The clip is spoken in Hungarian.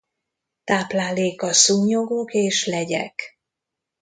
Tápláléka szúnyogok és legyek.